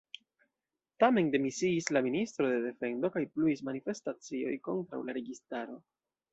Tamen demisiis la Ministro de Defendo kaj pluis manifestacioj kontraŭ la registaro.